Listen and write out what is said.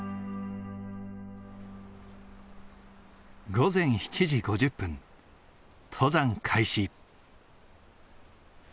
午前７時５０分登山開始。